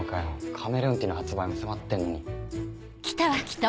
カメレオンティーの発売も迫ってんのに。